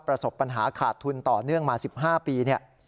ประสบปัญหาขาดทุนต่อเนื่องมา๑๕ปีเนี่ย